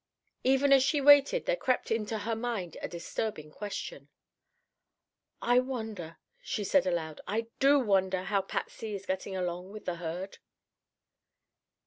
Even as she waited there crept into her mind a disturbing question: "I wonder," she said aloud, "I do wonder how Patsy is getting along with the herd?"